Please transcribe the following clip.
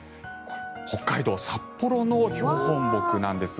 北海道札幌の標本木なんです。